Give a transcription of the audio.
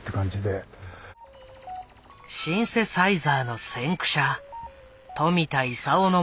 シンセサイザーの先駆者冨田勲のもとで学び